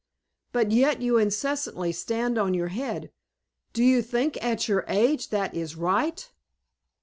But yet you incessantly stand on your head. Do you think, at your age, that is right?"